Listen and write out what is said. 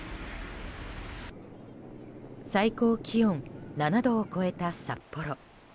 最高気温７度を超えた札幌。